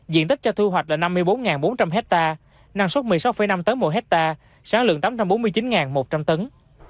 diện tích cho thu hoạch là năm mươi bốn bốn trăm linh hectare năng suất một mươi sáu năm tấn mỗi hectare sáng lượng tám trăm bốn mươi chín một trăm linh tấn